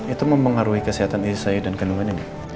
itu mempengaruhi kesehatan istri saya dan kandungannya bu